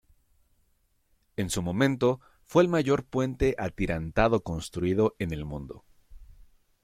En su momento fue el mayor puente atirantado construido en el mundo.